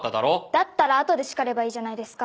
だったら後で叱ればいいじゃないですか。